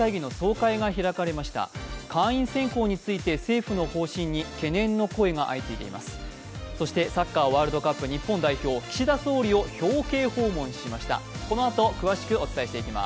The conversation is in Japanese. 会員選考について政府の方針に懸念の声が相次いでいます。